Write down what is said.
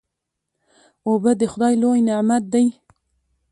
اوبه د خدای لوی نعمت دی.